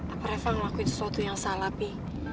apa reva ngelakuin sesuatu yang salah pilih